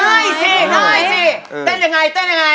ได้สิได้สิเต้นอย่างไร